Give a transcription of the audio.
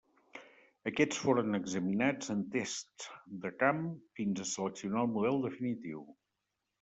Aquest foren examinats en tests de camp fins a seleccionar el model definitiu.